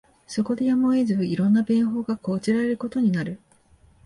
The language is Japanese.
そこでやむを得ず、色んな便法が講じられることになる